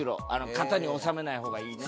型に収めない方がいいね。